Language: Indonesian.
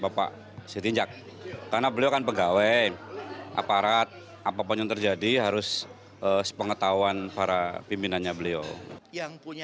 bapak sitinjak karena beliau kan pegawai aparat apapun yang terjadi harus sepengetahuan para pimpinannya beliau yang punya